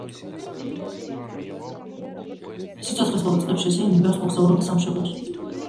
სიცოცხლის ბოლო წლებში ესენინი ბევრს მოგზაურობდა სამშობლოში.